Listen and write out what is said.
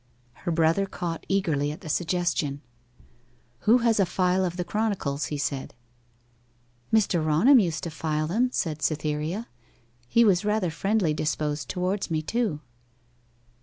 Her brother caught eagerly at the suggestion. 'Who has a file of the Chronicles?' he said. 'Mr. Raunham used to file them,' said Cytherea. 'He was rather friendly disposed towards me, too.